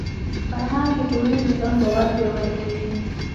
فرهنګ د ټولني د ځان باور پیاوړی کوي.